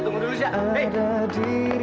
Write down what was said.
tunggu dulu syah